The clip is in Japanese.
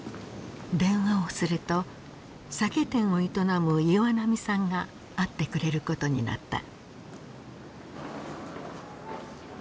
電話をすると酒店を営む岩波さんが会ってくれることになった。